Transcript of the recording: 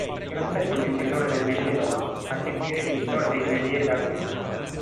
In grassetto il vincitore del Méliès d'oro, a seguire i vincitori dei Méliès d'argento.